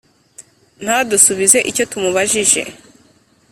ntadusubize icyo tumubajije